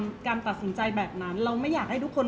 เพราะว่าสิ่งเหล่านี้มันเป็นสิ่งที่ไม่มีพยาน